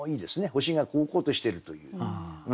星がこうこうとしてるという。